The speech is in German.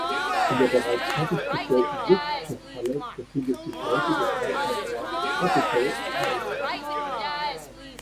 In der bereits fertiggestellten Luftschiffhalle befindet sich heute der Freizeitpark Tropical Islands.